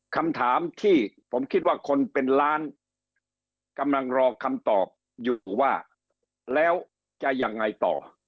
คำถามที่ผมคิดว่าคนเป็นล้านกำลังรอคำตอบอยู่ว่าแล้วจะยังไงต่อ